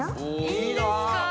いいんですか？